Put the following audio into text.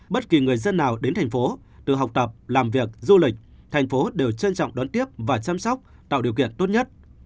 bất kỳ người dân nào đến thành phố từ học tập làm việc du lịch thành phố đều trân trọng đón tiếp và chăm sóc tạo điều kiện tốt nhất